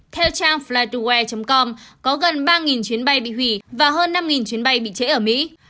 theo trang flyduare com có gần ba chuyến bay bị hủy và hơn năm chuyến bay bị trễ ở mỹ